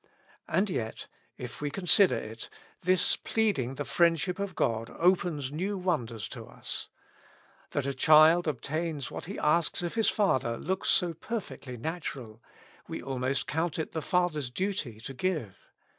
And yet, if we consider it, this pleading the friendship of God opens new wonders to us. That a child obtains what he asks of his father looks so perfectly natural, we almost count it the father's duty to give.